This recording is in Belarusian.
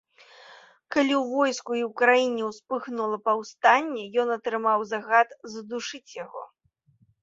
Калі ў войску і ў краіне ўспыхнула паўстанне, ён атрымаў загад задушыць яго.